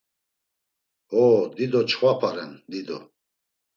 Ho, dido çxvapa ren, dido.